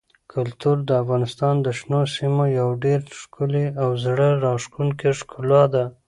کلتور د افغانستان د شنو سیمو یوه ډېره ښکلې او زړه راښکونکې ښکلا ده.